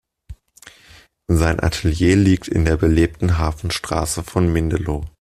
Sein Atelier liegt in der belebten Hafenstraße von Mindelo.